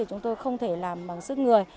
chúng tôi không thể làm bằng sức người